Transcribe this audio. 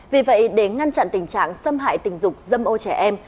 vì vậy để ngăn chặn tình trạng xâm hại tình dục dâm ô trẻ em